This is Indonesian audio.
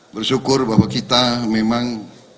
bersyukur bahwa kita memang